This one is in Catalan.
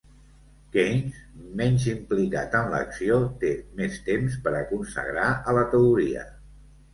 Keynes, menys implicat en l'acció, té més temps per a consagrar a la teoria.